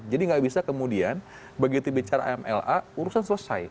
jadi tidak bisa kemudian begitu dibicarakan mla urusan selesai